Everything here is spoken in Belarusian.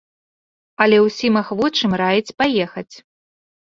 Але ўсім ахвочым раіць паехаць.